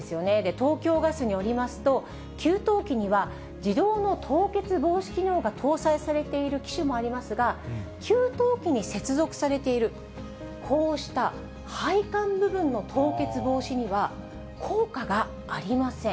東京ガスによりますと、給湯器には自動の凍結防止機能が搭載されている機種もありますが、給湯器に接続されているこうした配管部分の凍結防止には効果がありません。